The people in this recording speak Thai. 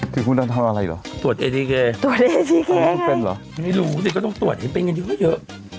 คือคุณน่าจะทำอะไรหรอตรวจเป็นไงไม่รู้สิก็ต้องตรวจให้เป็นกันอยู่ก็เยอะ